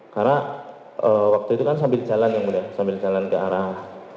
karena waktu itu kan sambil jalan yang mulia sambil jalan ke arah